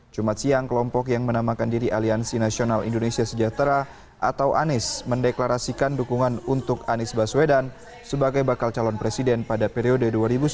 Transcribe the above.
jumat siang kelompok yang menamakan diri aliansi nasional indonesia sejahtera atau anies mendeklarasikan dukungan untuk anies baswedan sebagai bakal calon presiden pada periode dua ribu sembilan belas dua ribu sembilan